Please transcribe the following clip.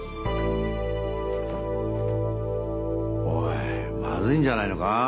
おいまずいんじゃないのか？